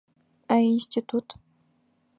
Ә институт?